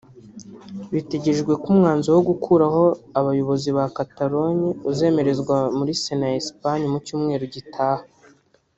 Bitegerejwe ko umwanzuro wo gukuraho abayobozi ba Catalogne uzemerezwa muri Sena ya Espagne mu cyumweru gitaha